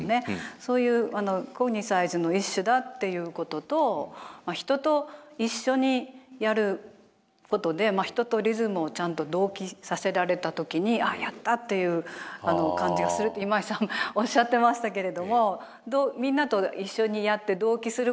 そういうコグニサイズの一種だっていうことと人と一緒にやることで人とリズムをちゃんと同期させられた時に「やった！」っていう感じがするって今井さんおっしゃってましたけれどもみんなと一緒にやって同期することで楽しい。